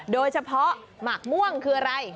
โดยเฉพาะหมักม่วงคืออะไร